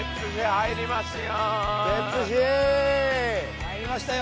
入りましたよ。